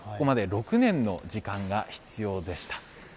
ここまで６年の時間が必要でした。